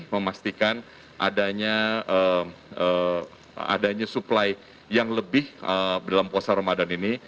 memastikan adanya suplai yang lebih dalam pasar ramadan ini